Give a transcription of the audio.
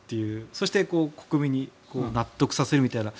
そして国民に納得させるという。